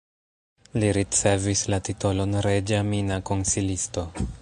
Li ricevis la titolon reĝa mina konsilisto.